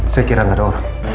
saya kira gak ada orang